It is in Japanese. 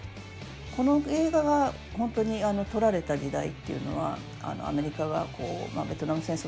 この映画が本当に撮られた時代っていうのはアメリカがベトナム戦争